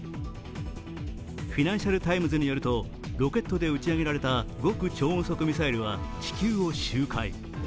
「フィナンシャル・タイムズ」によるとロケットで打ち上げられた極超音速ミサイルは地球を周回。